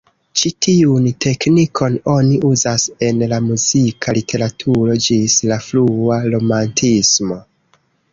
Ĉi tiun teknikon oni uzas en la muzika literaturo ĝis la frua romantismo.